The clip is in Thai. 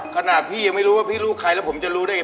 ขณะพี่ยังไม่รู้ว่าพี่ลูกใครแล้วผมจะรู้ได้ไง